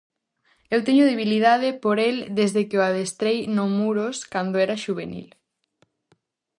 Eu teño debilidade por el desde que o adestrei no Muros cando era xuvenil.